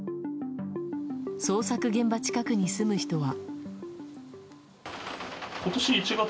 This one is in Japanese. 捜索現場近くに住む人は。